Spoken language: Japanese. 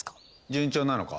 順調なのか？